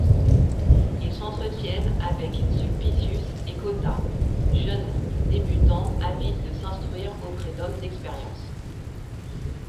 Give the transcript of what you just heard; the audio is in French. Ils s'entretiennent avec Sulpicius et Cotta, jeunes débutants avides de s'instruire auprès d'hommes d'expérience.